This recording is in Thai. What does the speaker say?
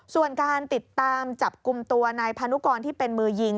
ส่วนการติดตามจับกลุ่มตัวนายพานุกรที่เป็นมือยิง